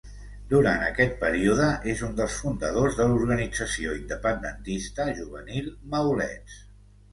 Durant aquest període és un dels fundadors de l'organització independentista juvenil Maulets.